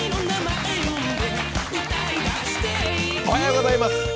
おはようございます。